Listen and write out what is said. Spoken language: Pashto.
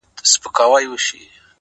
څښل مو تويول مو شرابونه د جلال-